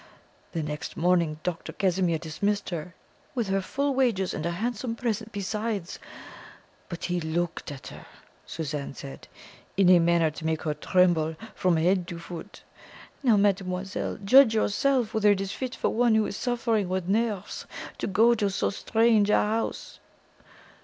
The very next morning Dr. Casimir dismissed her, with her full wages and a handsome present besides; but he LOOKED at her, Suzanne said, in a manner to make her tremble from head to foot. Now, mademoiselle, judge yourself whether it is fit for one who is suffering with nerves to go to so strange a house!"